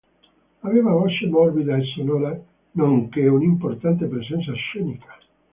Aveva voce morbida e sonora, nonché un'importante presenza scenica.